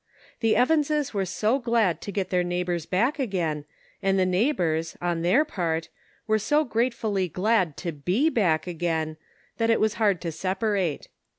The Evanses were so glad to get their neighbors back again, and the neighbors, on their part, were so gratefully glad to be back again, that it was hard to separate.